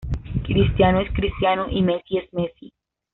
Cristiano es Cristiano y Messi es Messi.